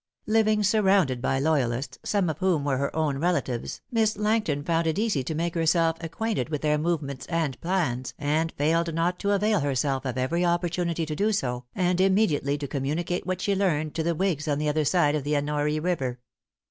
Living surrounded by loyalists, some of whom were her own relatives, Miss Langston found it easy to make herself acquainted with their movements and plans, and failed not to avail herself of every opportunity to do so, and immediately to communicate what she learned to the whigs on the other side of the Ennoree River.